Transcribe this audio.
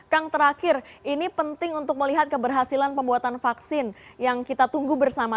kang terakhir ini penting untuk melihat keberhasilan pembuatan vaksin yang kita tunggu bersama